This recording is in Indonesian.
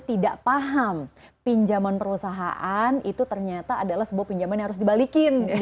tidak paham pinjaman perusahaan itu ternyata adalah sebuah pinjaman yang harus dibalikin